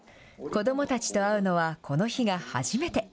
子どもたちと会うのはこの日が初めて。